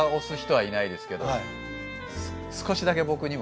はい。